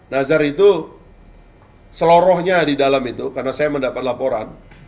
nazar itu seluruhnya di dalam itu karena saya mendapat laporan